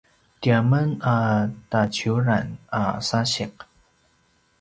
tiamen a taciuran a sasiq